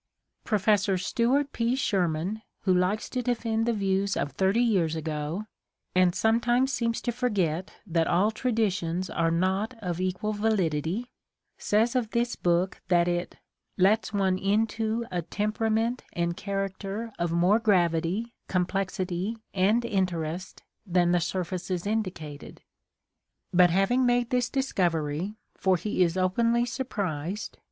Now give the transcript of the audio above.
Professor Stuart P. Sherman, who likes to defend the views of thirty years ago and sometimes seems to forget that all traditions are not of equal validity, says of this book that it "lets one into a temperament and character of more gravity, com plexity and interest than the surfaces indicated." But having made this discovery, for he is openly surprised.